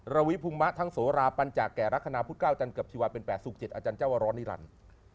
ระวิภูมิมะทั้งโสราปัญจากแก่ลักษณะพุทธ๙จันเกือบชีวาเป็น๘สุข๗อาจารย์เจ้าวรนิรันดิ์